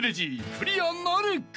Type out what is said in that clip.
［クリアなるか？］